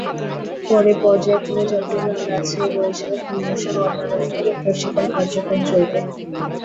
পরে পর্যায়ক্রমে চট্টগ্রাম, রাজশাহী, বরিশাল, খুলনাসহ অন্যান্য বিভাগে প্রশিক্ষণ কার্যক্রম চলবে।